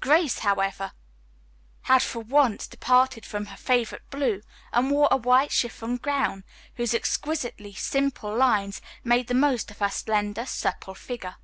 Grace, however, had for once departed from her favorite blue and wore a white chiffon gown whose exquisitely simple lines made the most of her slender, supple figure.